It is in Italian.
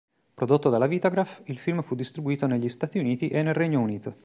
Prodotto dalla Vitagraph, il film fu distribuito negli Stati Uniti e nel Regno Unito.